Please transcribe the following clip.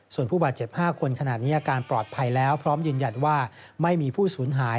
ส่วนผู้บาดเจ็บ๕คนขณะนี้อาการปลอดภัยแล้วพร้อมยืนยันว่าไม่มีผู้สูญหาย